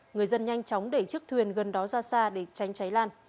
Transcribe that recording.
người dân nhanh chóng để chiếc thuyền gần đó ra xa để tránh cháy lan